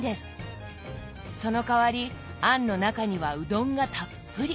その代わり餡の中にはうどんがたっぷり。